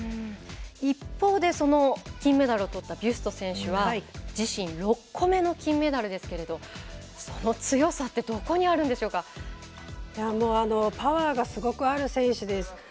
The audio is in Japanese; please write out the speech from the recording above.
一方で、その金メダルを取ったビュスト選手は自身６個目の金メダルですけれどその強さってパワーがすごくある選手です。